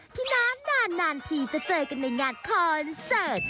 ที่นานทีจะเจอกันในงานคอนเสิร์ต